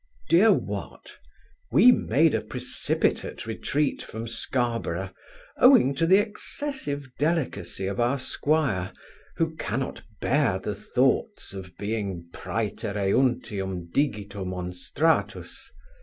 DEAR WAT, We made a precipitate retreat from Scarborough, owing to the excessive delicacy of our 'squire, who cannot bear the thoughts of being proetereuntium digito monstratus.